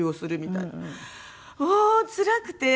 もうつらくて。